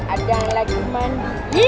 ada yang lagi mandi